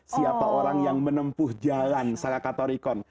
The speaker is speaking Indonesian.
siapa orang yang menempuh jalan salakatorikon